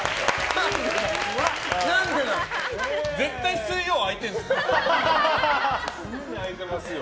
絶対に水曜空いているんですね。